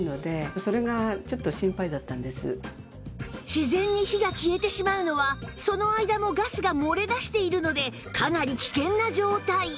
自然に火が消えてしまうのはその間もガスが漏れ出しているのでかなり危険な状態